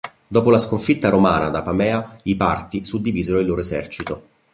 Dopo la sconfitta Romana ad Apamea, i Parti suddivisero il loro esercito.